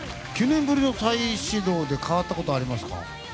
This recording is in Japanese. ９年ぶりの再始動で変わったことありますか？